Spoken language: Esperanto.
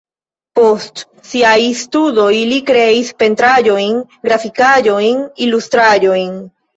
Post siaj studoj li kreis pentraĵojn, grafikaĵojn, ilustraĵojn.